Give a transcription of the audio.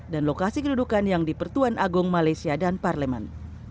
dan lokasi kedudukan yang dipertuan agung malaysia dan parlemen